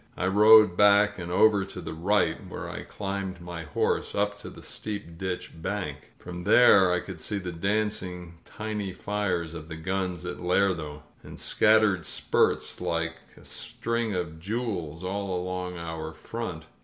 I rode back and over to the right, where I climbed my horse up the steep ditch bank. From there I could see the dancing tiny fires of the guns at Lerdo, and scattered spurts like a string of jewels all along our front.